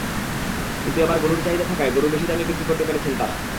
কিন্তু এবার গরুর চাহিদা থাকায় গরু বেশি দামে বিক্রি করতে পেরেছেন তাঁরা।